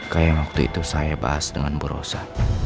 kayak waktu itu saya bahas dengan bu rosa